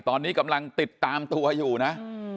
ตอนนี้กำลังติดตามตัวอยู่นะ